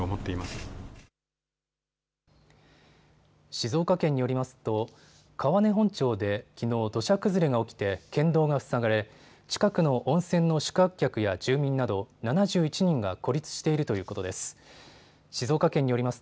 静岡県によりますと川根本町で、きのう土砂崩れが起きて県道が塞がれ近くの温泉の宿泊客や住民など７１人が孤立しているということです。